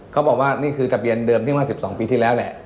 เขาบอกว่านี่คือทะเบียนเดิมที่เมื่อ๑๒ปีที่แล้วแหละ